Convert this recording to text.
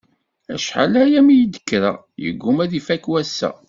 Acḥal-aya mi d-kkreɣ, yegguma ad ifakk wassa.